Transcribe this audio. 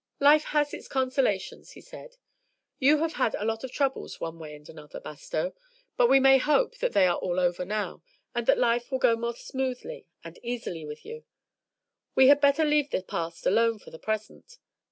"Life has its consolations," he said. "You have had a lot of troubles one way and another, Bastow, but we may hope that they are all over now, and that life will go more smoothly and easily with you. We had better leave the past alone for the present.